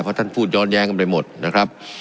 เพราะท่านพูดย้อนแย้งกันไปหมดนะครับ